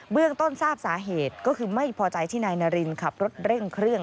เรื่องต้นทราบสาเหตุก็คือไม่พอใจที่นายนารินขับรถเร่งเครื่อง